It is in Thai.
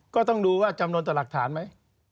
ก็ต้องดูว่าจำนวนต่อหลักฐานไหม